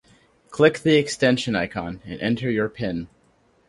Click the extension icon, and enter your pin